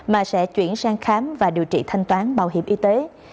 mà sẽ chuyển sang khám và điều trị thanh toán bảo hiểm y tế